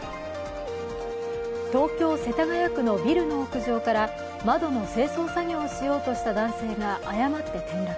東京・世田谷区のビルの屋上から窓の清掃作業をしようとした男性が誤って転落。